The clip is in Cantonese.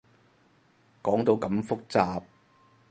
講到咁複雜